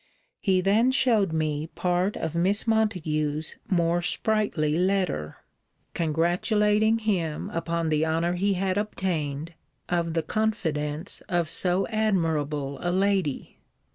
He then shewed me part of Miss Montague's more sprightly letter, 'congratulating him upon the honour he had obtained, of the confidence of so admirable a lady.'